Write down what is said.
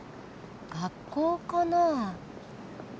学校かな？